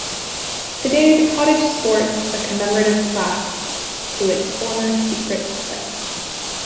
Today the cottage sports a commemorative plaque to its former secret life.